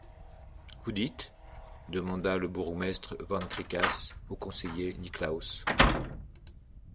Vous dites? demanda le bourgmestre van Tricasse au conseiller Niklausse.